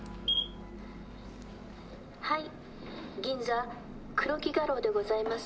「はい銀座黒木画廊でございます」